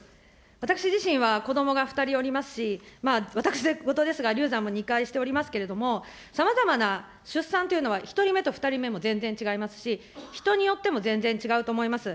私自身は子どもが２人おりますし、私事ですが、流産も２回しておりますけれども、さまざまな出産というのは、１人目と２人目も全然違いますし、人によっても全然違うと思います。